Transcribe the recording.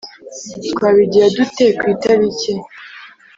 Twabigira dute ku itariki? (